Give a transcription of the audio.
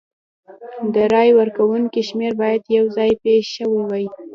د رای ورکوونکو شمېر باید یو ځای پېښ شوي وای.